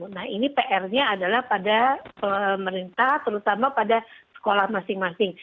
nah ini pr nya adalah pada pemerintah terutama pada sekolah masing masing